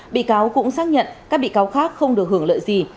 bị cáo cũng xác nhận các bị cáo khác không được hưởng lợi gì